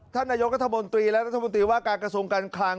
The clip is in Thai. ท่านนายกัธมนตรีและรัฐมนตรีว่าการกระทรวงการคลัง